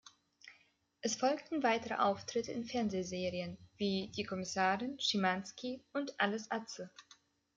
Es folgten weitere Auftritte in Fernsehserien wie "Die Kommissarin", "Schimanski" und "Alles Atze".